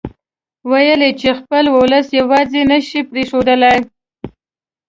ويل يې چې خپل اولس يواځې نه شي پرېښودلای.